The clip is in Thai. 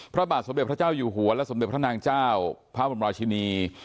พระบาทสมเด็จพระเจ้าอยู่หัวและสมเด็จพระนางเจ้าพระบรมราชินี